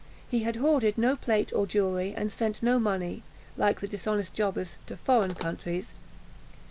He had hoarded no plate or jewellery, and sent no money, like the dishonest jobbers, to foreign countries.